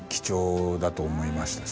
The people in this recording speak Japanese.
だと思いましたし。